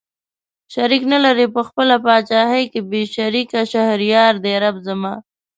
شريک نه لري په خپله پاچاهۍ کې بې شريکه شهريار دئ رب زما